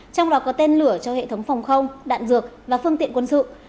trong đó có tên lửa cho hệ thống phòng không đạn dược và phương tiện quân sự